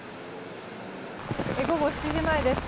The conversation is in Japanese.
午後７時前です。